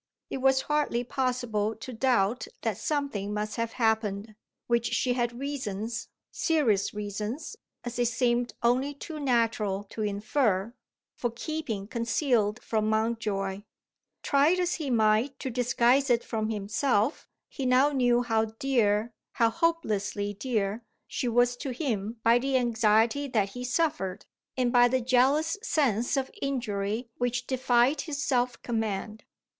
It was hardly possible to doubt that something must have happened, which she had reasons serious reasons, as it seemed only too natural to infer for keeping concealed from Mountjoy. Try as he might to disguise it from himself, he now knew how dear, how hopelessly dear, she was to him by the anxiety that he suffered, and by the jealous sense of injury which defied his self command.